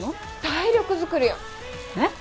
体力作りよえっ？